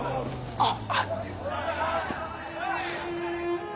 あっ。